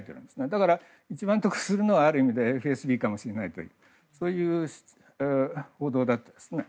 だから一番得するのはある意味でＦＳＢかもしれないとそういう報道もあったんですね。